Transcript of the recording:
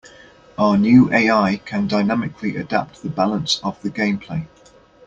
Our new AI can dynamically adapt the balance of the gameplay.